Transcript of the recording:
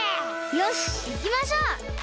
よしいきましょう！